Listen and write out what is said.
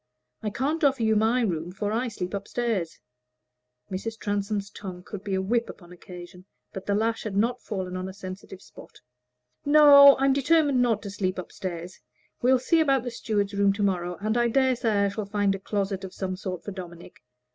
I can't offer you my room, for I sleep up stairs." (Mrs. Transome's tongue could be a whip upon occasion, but the lash had not fallen on a sensitive spot.) "No; I'm determined not to sleep up stairs. We'll see about the steward's room to morrow, and I dare say I shall find a closet of some sort for Dominic.